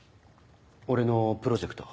俺のプロジェクト。